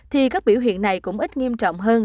thì các biểu hiện này cũng ít nghiêm trọng hơn